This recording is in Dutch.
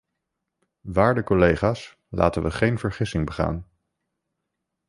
Waarde collega's, laten we geen vergissing begaan.